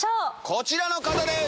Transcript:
こちらの方です！